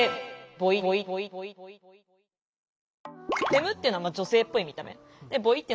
ボイっていうのは男性っぽい見た目。